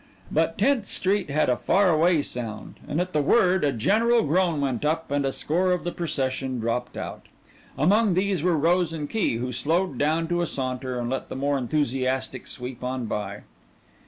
But Tenth Street had a faraway sound and at the word a general groan went up and a score of the procession dropped out. Among these were Rose and Key, who slowed down to a saunter and let the more enthusiastic sweep on by.